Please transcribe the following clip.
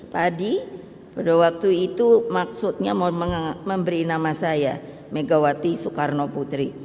padi pada waktu itu maksudnya memberi nama saya megawati soekarno putri